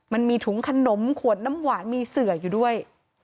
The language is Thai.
มันมีถุงขนมขวดน้ำหวานมีเสืออยู่ด้วย